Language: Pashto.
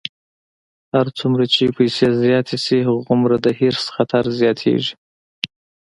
هر څومره چې پیسې زیاتې شي، هومره د حرص خطر زیاتېږي.